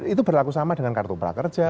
itu berlaku sama dengan kartu prakerja